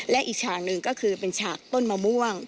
และอีกฉากหนึ่งก็คือเป็นฉากต้นมะม่วง